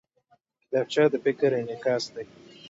کتابچه د فکر انعکاس دی